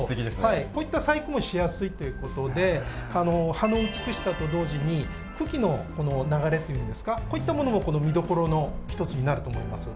こういった細工もしやすいという事で葉の美しさと同時に茎の流れっていうんですかこういったものも見どころの一つになると思います。